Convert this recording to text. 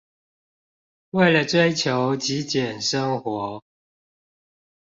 為了追求極簡生活